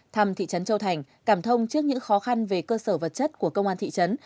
thăm thị trấn châu thành cảm thông trước những khó khăn về cơ sở vật chất của công an thị trấn